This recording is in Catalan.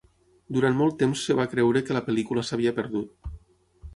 Durant molt temps es va creure que la pel·lícula s'havia perdut.